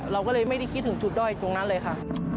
เราก็เลยไม่ได้คิดถึงจุดด้อยตรงนั้นเลยค่ะ